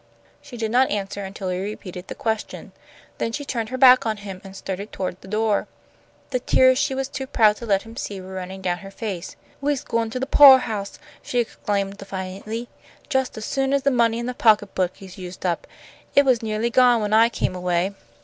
She did not answer until he repeated the question. Then she turned her back on him, and started toward the door. The tears she was too proud to let him see were running down her face. "We's goin' to the poah house," she exclaimed, defiantly, "jus' as soon as the money in the pocketbook is used up. It was nearly gone when I came away."